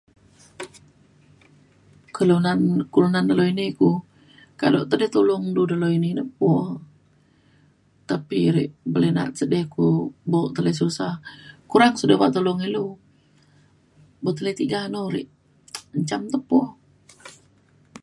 kelunan kelunan dalau ini ku kado de ti tolong dulu ini lepo tapi re boleh na’at sendiri ku buk te le susah kurang sudah ba’an ida tolong ilu beng te le tiga anu re njam lok po